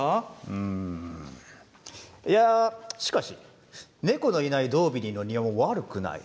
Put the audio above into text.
うーんしかし猫のいない「ドービニーの庭」も悪くない。